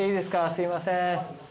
すいません。